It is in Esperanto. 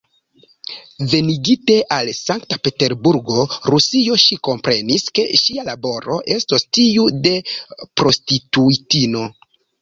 Venigite al Sankt-Peterburgo, Rusio, ŝi komprenis, ke ŝia laboro estos tiu de prostituitino.